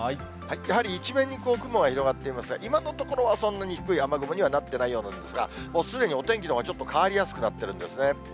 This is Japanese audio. やはり一面に雲が広がっていますが、今のところはそんなに低い雨雲にはなっていないようなんですが、すでにお天気のほうは変わりやすくなってるんですね。